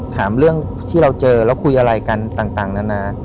ถามเรื่องที่เราเจอแล้วคุยอะไรกันต่างนานา